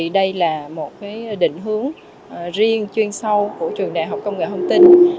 đây là một định hướng riêng chuyên sâu của trường đại học công nghệ thông tin